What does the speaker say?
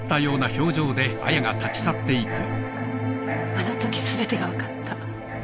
あのとき全てが分かった。